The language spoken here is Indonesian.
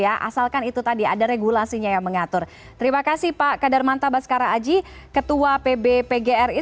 asalkan itu tadi ada regulasinya yang mengatur terima kasih pak kadarmanta baskara aji ketua pb pgri